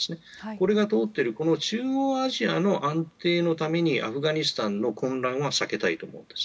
これが通っている中央アジアの安定のためにアフガニスタンの混乱は避けたいと思うんです。